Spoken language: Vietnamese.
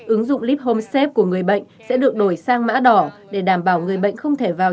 ứng dụng lip home step của người bệnh sẽ được đổi sang mã đỏ để đảm bảo người bệnh không thể vào